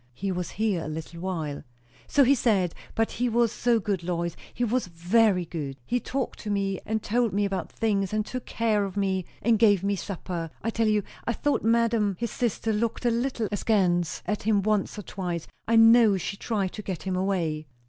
"He was here a little while." "So he said. But he was so good, Lois! He was very good. He talked to me, and told me about things, and took care of me, and gave me supper. I tell you, I thought madam his sister looked a little askance at him once or twice. I know she tried to get him away."